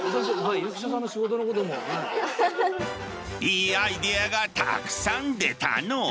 いいアイデアがたくさん出たのう。